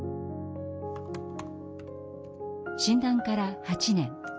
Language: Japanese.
診断から８年。